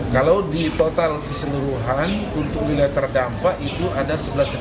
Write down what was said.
kalau di total keseluruhan untuk wilayah terdampak itu ada sebelas sembilan ratus delapan puluh tujuh